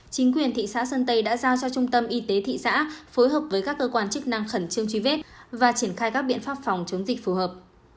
chính quyền thị xã sơn tây đã giao cho trung tâm y tế thị xã phối hợp với các cơ quan chức năng khẩn trương truy vết và triển khai các biện pháp phòng chống dịch phù hợp